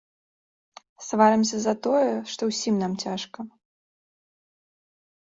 Сварымся затое, што ўсім нам цяжка.